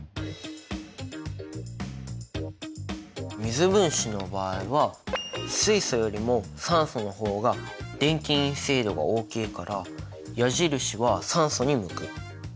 水分子の場合は水素よりも酸素の方が電気陰性度が大きいから矢印は酸素に向く。